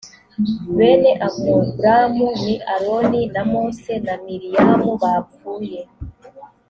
bene amuramu ni aroni na mose na miriyamu bapfuye